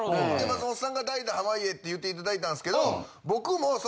松本さんが代打濱家って言って頂いたんすけど。